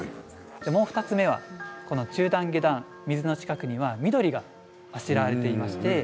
２つ目は中段、下段水の近くには緑があしらわれています。